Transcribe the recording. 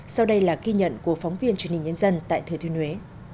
sau đây là ghi nhận của phóng viên truyền hình nhân dân tại thừa thuyên huế